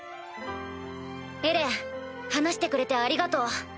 エレン話してくれてありがとう。